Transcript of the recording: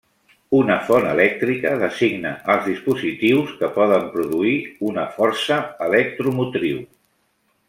Una font elèctrica designa els dispositius que poden produir una força electromotriu.